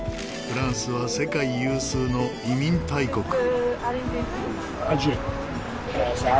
フランスは世界有数の移民大国。